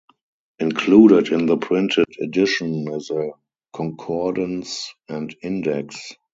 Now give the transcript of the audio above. Included in the printed edition is a concordance and index.